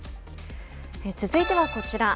続いてはこちら。